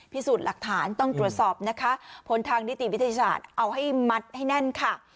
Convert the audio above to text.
พิสูจน์หลักฐานต้องตรวจสอบนะคะผลทางนิติวิทยาศาสตร์เอาให้มัดให้แน่นค่ะ